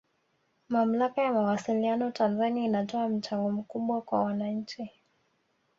Mamlaka ya Mawasiliano Tanzania inatoa mchango mkubwa kwa wananchi